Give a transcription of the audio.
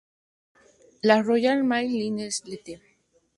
La Royal Mail Lines Ltd.